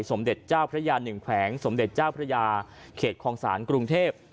สมเด็จเจ้าพระยา๑แขวงสมเด็จเจ้าพระยาเขตคลองศาลกรุงเทพ